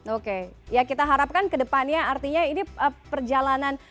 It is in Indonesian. oke ya kita harapkan ke depannya artinya ini perjalanan